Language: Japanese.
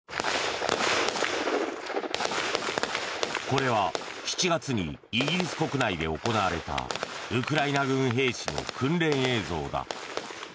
これは７月にイギリス国内で行われたウクライナ軍兵士の訓練映像だ。